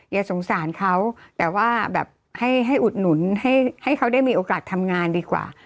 อย่าสงสารเขาแต่ว่าแบบให้อุดหนุนให้เขาได้มีโอกาสทำงานดีกว่า